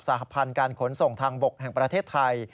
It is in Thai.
หพันธ์การขนส่งทางบกแห่งประเทศไทย